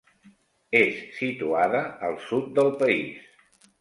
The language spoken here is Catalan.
És situada al sud del país.